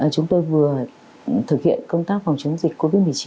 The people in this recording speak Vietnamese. chúng tôi vừa thực hiện công tác phòng chống dịch covid một mươi chín